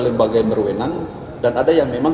lembaga yang berwenang dan ada yang memang